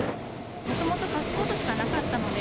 もともとパスポートしかなかったので。